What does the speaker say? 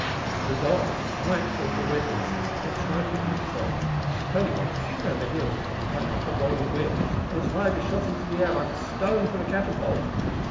The result was frightful to witness, though trifling in result. The pony went heels over head upon the plain like a rolling wheel, and its rider shot into the air like a stone from a catapult.